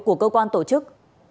của cơ quan tổ chức